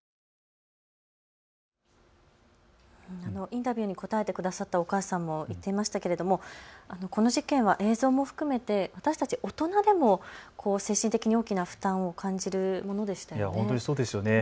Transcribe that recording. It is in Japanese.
インタビューに答えてくださったお母さんも言っていましたけれどもこの事件は映像も含めて私たち大人でも精神的に大きな負担を感じるものでしたよね。